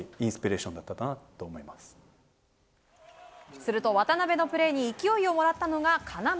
すると、渡邊のプレーに勢いをもらったのが金丸。